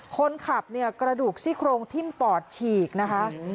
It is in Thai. คนขับกระดูกซิกลงทิ้มปอดฉีกนะคะ